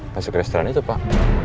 masuk restoran itu pak